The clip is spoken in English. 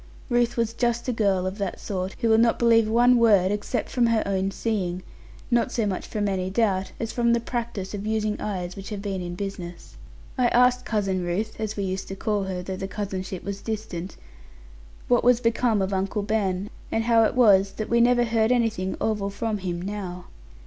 Ruth was just a girl of that sort, who will not believe one word, except from her own seeing; not so much from any doubt, as from the practice of using eyes which have been in business. I asked Cousin Ruth (as we used to call her, though the cousinship was distant) what was become of Uncle Ben, and how it was that we never heard anything of or from him now.